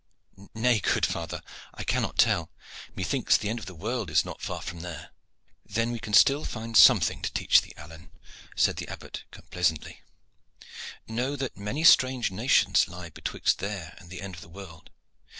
"Nay, good father, I cannot tell. Methinks the end of the world is not far from there." "Then we can still find something to teach thee, Alleyne," said the Abbot complaisantly. "Know that many strange nations lie betwixt there and the end of the world.